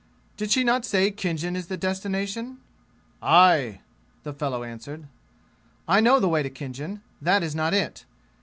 "Did she not say Khinjan is the destination?"' "Aye!" the fellow answered. "I know the way to Khinjan. That is not it.